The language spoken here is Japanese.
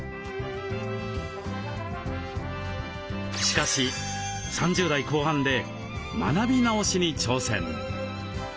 しかし３０代後半で学び直しに挑戦。